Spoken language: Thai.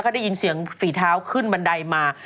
ก็ได้ยินเสียงฝีเท้าขึ้นบันไดมา